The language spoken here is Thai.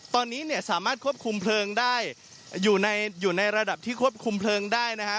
ตอนนี้เนี่ยสามารถควบคุมเพลิงได้อยู่ในอยู่ในระดับที่ควบคุมเพลิงได้นะฮะ